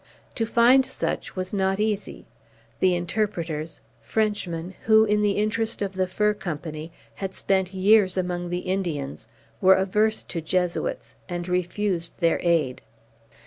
To find such was not easy. The interpreters Frenchmen, who, in the interest of the fur company, had spent years among the Indians were averse to Jesuits, and refused their aid.